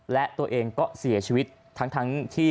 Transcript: และตัวเองก็เสียชีวิตทั้งที่